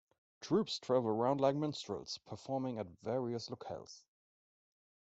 Troupes travel around like minstrels performing at various locales.